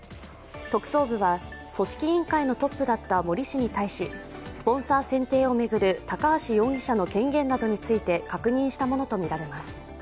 特捜部は組織委員会のトップだった森氏に対し、スポンサー選定を巡る高橋容疑者の権限などについて確認したものとみられます。